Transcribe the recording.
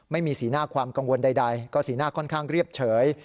ไม่มีสีหน้าความกังวลใดก็สีหน้าค่อนข้างเรียบเฉย